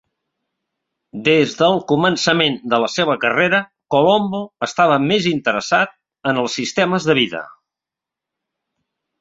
Des del començament de la seva carrera, Colombo estava més interessat en els sistemes de vida.